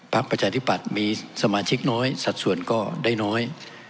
ภักดิ์ประจาธิบัตรมีสมาชิกน้อยสัดส่วนก็ได้น้อย